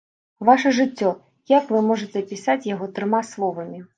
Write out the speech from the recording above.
Ваша жыццё, як вы можаце апісаць яго трыма словамі?